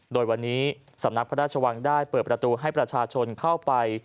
โดยวันนี้สำนักพระราชวังได้เปิดประตูให้ประชาชนเข้าไป